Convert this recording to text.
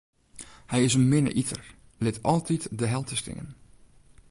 Hy is in minne iter, lit altyd de helte stean.